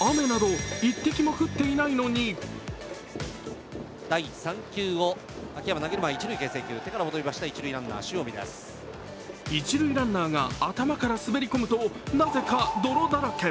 雨など一滴も降っていないのに一塁ランナーが頭から滑り込むと、なぜか泥だらけ。